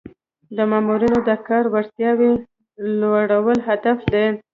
د مامورینو د کاري وړتیاوو لوړول هدف دی.